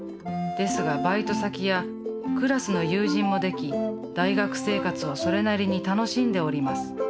ですがバイト先やクラスの友人もでき大学生活をそれなりに楽しんでおります。